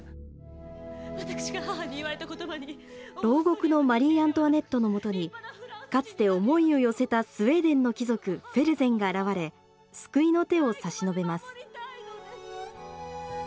牢獄のマリー・アントワネットのもとにかつて思いを寄せたスウェーデンの貴族フェルゼンが現れ救いの手を差し伸べます。